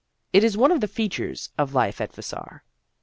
It is one of the features of life at Vassar."